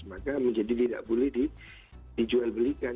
maka menjadi tidak boleh dijual belikan